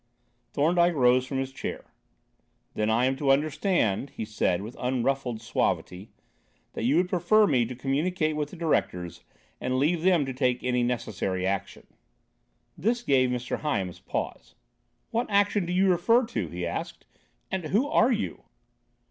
Thorndyke rose from his chair. "Then I am to understand," he said, with unruffled suavity, "that you would prefer me to communicate with the Directors, and leave them to take any necessary action." This gave Mr. Hyams pause. "What action do you refer to?" he asked. "And, who are you?"